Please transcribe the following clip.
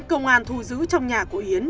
công an thu giữ trong nhà của yến